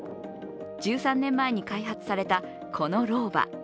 １３年前に開発された、このローバ。